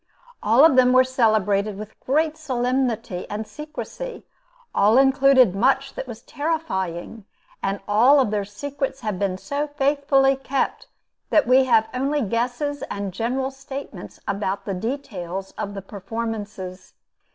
All of them were celebrated with great solemnity and secrecy; all included much that was terrifying; and all of their secrets have been so faithfully kept that we have only guesses and general statements about the details of the performances.